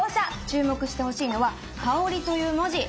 注目してほしいのは「香」という文字。